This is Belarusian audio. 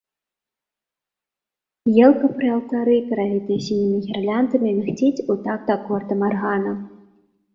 Елка пры алтары, перавітая сінімі гірляндамі, мігціць у такт акордам аргана.